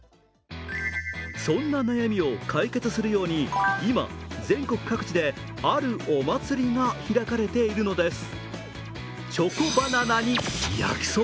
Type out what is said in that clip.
そんな悩みを解決するように今、全国各地であるお祭りが開かれているのです。